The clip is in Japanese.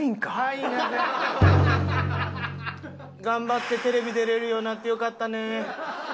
頑張ってテレビ出れるようになってよかったね。